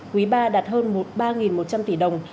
quý ba đạt hơn ba một trăm linh tỷ đồng